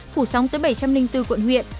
phủ sóng tới bảy trăm linh bốn quận huyện